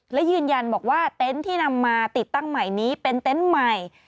และยืนยันบอกว่าเต็นต์ที่นำมาติดตั้งใหม่นี้เป็นเต็นต์ใหม่